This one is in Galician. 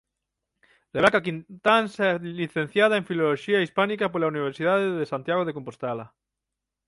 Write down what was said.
Rebeca Quintáns é licenciada en Filoloxía Hispánica pola Universidade de Santiago de Compostela.